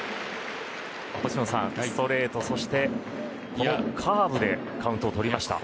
星野さん、ストレートそしてこのカーブでカウントを取りました。